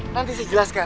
nanti saya jelaskan